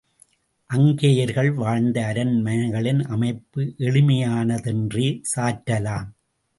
அக்கேயர்கள் வாழ்ந்த அரண்மனைகளின் அமைப்பு எளிமையானதென்றே சாற்றலாம்.